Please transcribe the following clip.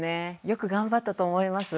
よく頑張ったと思います。